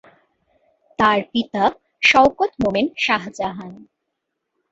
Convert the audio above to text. তার পিতা শওকত মোমেন শাহজাহান।